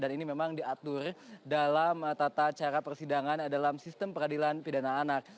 dan ini memang diatur dalam tata cara persidangan dalam sistem peradilan pidana anak